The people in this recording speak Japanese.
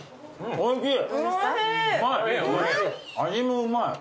おいしい。